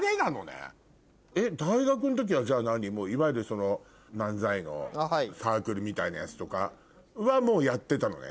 大学の時はじゃあいわゆる漫才のサークルみたいなやつとかはもうやってたのね？